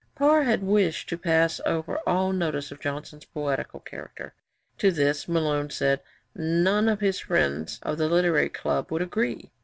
Parr had wished to pass over all notice of Johnson's poetical character. To this, Malone said, none of his friends of the Literary Club would agree.